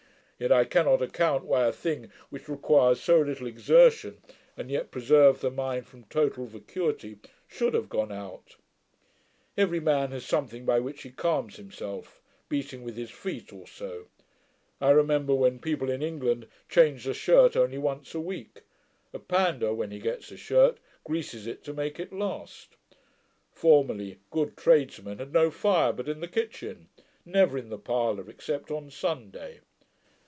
Yet I cannot account, why a thing which requires so little exertion, and yet preserves the mind from total vacuity, should have gone out. Every man has something by which he calms himself: beating with his feet, or so. [Footnote: Dr Johnson used to practice this himself very much.] I remember when people in England changed a shirt only once a week: a Pandour, when he gets a shirt, greases it to make it last. Formerly, good tradesmen had no fire but in the kitchen; never in the parlour, except on Sunday.